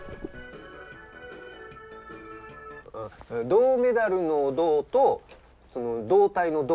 銅メダルの銅と胴体の胴。